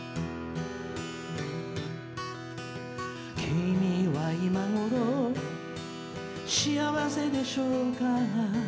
「君は今頃幸せでしょうか」